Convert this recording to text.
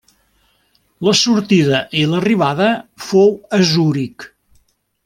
La sortida i l'arribada fou a Zuric.